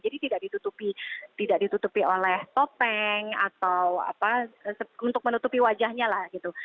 jadi tidak ditutupi tidak ditutupi oleh topeng atau apa untuk menutupi wajahnya lah gitu